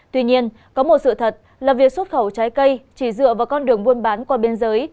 tuy nhiên có một sự thật là việc xuất khẩu trái cây chỉ dựa vào con đường buôn bán qua biên giới